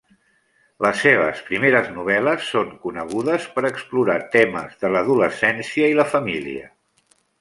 Les seves primeres novel·les són conegudes per explorar temes de l'adolescència i la família.